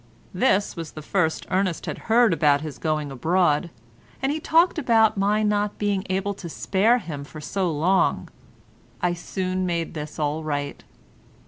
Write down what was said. This was the first Ernest had heard about his going abroad, and he talked about my not being able to spare him for so long. I soon made this all right.